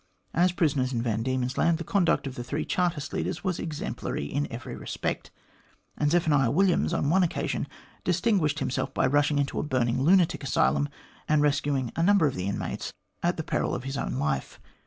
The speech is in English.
As prisoners in Van Diemen's Land, the conduct of the three Chartist leaders was exemplary in every respect, and Zephaniah Williams, on one occasion, distinguished him self by rushing into a burning lunatic asylum and rescuing a number of the inmates at the peril of his own life.